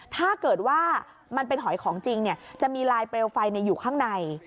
ถ้าเกิดว่ามันเป็นหอยของจริงจะมีลายเปลวไฟอยู่ข้างใน